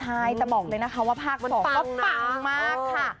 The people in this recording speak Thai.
ใช่แต่บอกเลยนะคะว่าภาค๒ก็ปังมากค่ะ